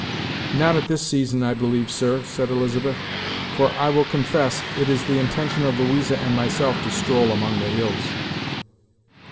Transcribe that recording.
"Not at this season, I believe, sir," said Elizabeth; "for, I will confess, it is the intention of Louisa and myself to stroll among the hills."